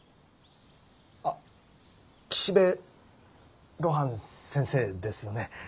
あ岸辺露伴先生ですよね。